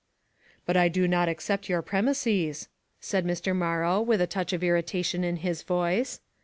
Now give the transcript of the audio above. " But I do not accept your premises," said Mr. Morrow, with a touch of irritation in his voice.